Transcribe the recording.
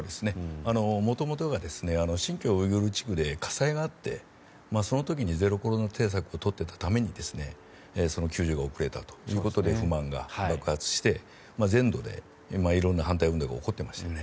元々が新疆ウイグル自治区で火災があってその時にゼロコロナ政策を取っていたためにその救助が遅れたということで不満が爆発をして全土で色んな反対運動が起こっていましたよね。